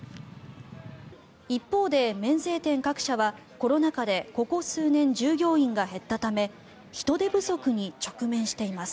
一方で、免税店各社はコロナ禍でここ数年、従業員が減ったため人手不足に直面しています。